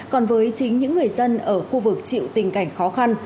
còn với chính những người dân ở khu vực chịu tình cảnh khó khăn